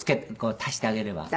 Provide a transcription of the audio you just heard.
足してあげれば？